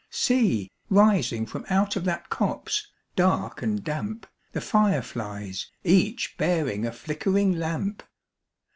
See, rising from out of that copse, dark and damp, The fire flies, each bearing a flickering lamp!